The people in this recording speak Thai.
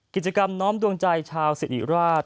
กิจกรรมน้อมดวงใจชาวสิริราช